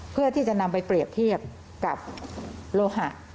เพื่อที่จะนำไปเปรียบเทียบกับโลหะ